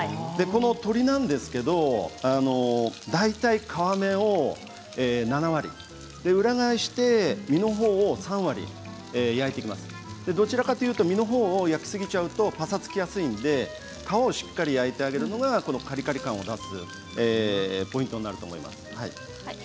この鶏は大体、皮目を７割裏返して身の方を３割焼いていきますとどちらかというと身の方を焼きすぎちゃうとぱさつきやすいので皮をしっかり焼いてあげるのがパリパリ感を出すポイントになると思います。